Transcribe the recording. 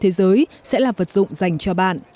thế giới sẽ là vật dụng dành cho bạn